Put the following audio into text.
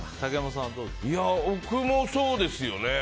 僕もそうですよね。